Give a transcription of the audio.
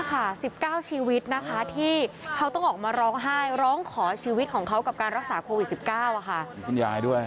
นี่๑๙ชีวิตที่เขาต้องออกมาร้องไห้ร้องขอชีวิตของเขากับการรักษาโควิด๑๙